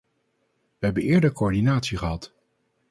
We hebben eerder coördinatie gehad.